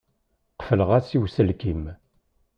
Qefleɣ-as i uselkim.